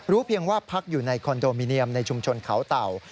เพียงว่าพักอยู่ในคอนโดมิเนียมในชุมชนเขาเต่า